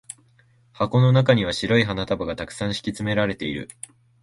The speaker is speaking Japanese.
箱の中には白い花束が沢山敷き詰められている。